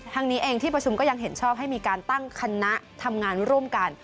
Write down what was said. ทางนี้เองที่ประชุมก็ยังเห็นชอบให้มีการตั้งคณะทำงานร่วมกัน